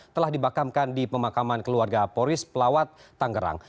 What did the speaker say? telah dibakamkan di pemakaman keluarga polis pelawat tangerang